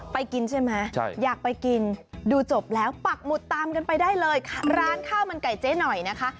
ไปกินใช่ไหมอยากไปกินดูจบแล้วปักหมุดตามกันไปได้เลยร้านข้าวมันไก่เจ๊หน่อยนะคะ